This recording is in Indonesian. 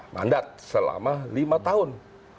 mandat selama lima tahun